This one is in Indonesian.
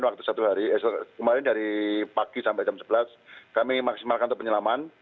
kemarin dari pagi sampai jam sebelas kami maksimalkan untuk penyelaman